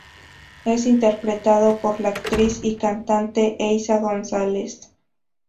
Es interpretado por la actriz y cantante, Eiza González.